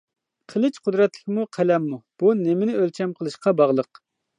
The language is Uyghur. -قىلىچ قۇدرەتلىكمۇ، قەلەممۇ؟ -بۇ نېمىنى ئۆلچەم قىلىشقا باغلىق.